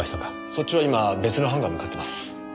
そっちは今別の班が向かってます。